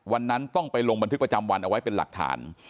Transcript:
วันนั้นต้องไปลงบันทึกประจำวันเอาไว้เป็นหลักฐาน